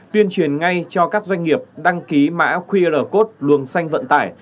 tuyên truyền ngay cho các doanh nghiệp đăng ký mã qr code luồng xanh vận tải